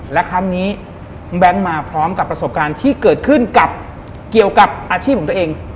และครั้งนี้แบงค์มาพร้อมกับประสบการณ์ที่เกิดขึ้นกับเกี่ยวกับอาชีพของตัวเอง